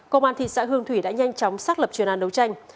công an thị xã hương thủy đã nhanh chóng xác lập chuyên án đấu tranh